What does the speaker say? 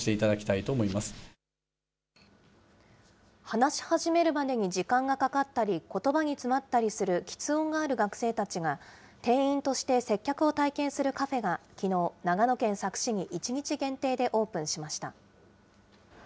話し始めるまでに時間がかかったり、ことばに詰まったりするきつ音がある学生たちが、店員として接客を体験するカフェが、きのう長野県佐久市に１日限定でオープンしました。